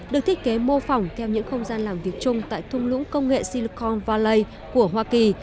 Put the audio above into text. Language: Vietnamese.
được thiết kế mô phỏng theo những không gian làm việc chung tại thung lũng công nghệ silicon valley của hoa kỳ